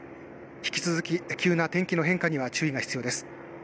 引き続き急な天気の変化には注意が必要です。